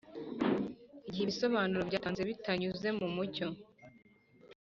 Igihe ibisobanuro byatanze bitanyuze mumucyo